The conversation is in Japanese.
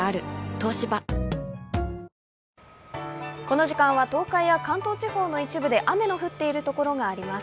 東芝この時間は東海や関東地方の一部で雨の降っているところがあります。